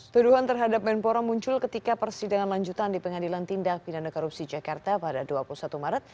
tuduhan terhadap menpora muncul ketika persidangan lanjutan di pengadilan tindak pidana korupsi jakarta pada dua puluh satu maret